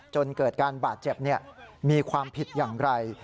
จนเกิดการบาดเจ็บมีความผิดอย่างไร